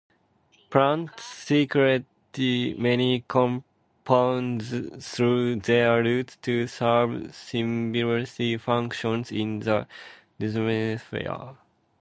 Plants secrete many compounds through their roots to serve symbiotic functions in the rhizosphere.